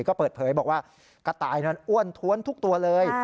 ก็เปิดเผยบอกว่ากระต่ายนั้นอ้วนท้วนทุกตัวเลย